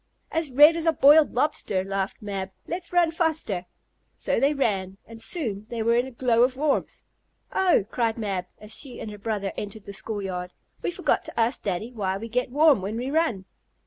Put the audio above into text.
"As red as a boiled lobster!" laughed Mab. "Let's run faster!" So they ran, and soon they were in a glow of warmth. "Oh!" cried Mab, as she and her brother entered the school yard, "we forgot to ask Daddy why we get warm when we run."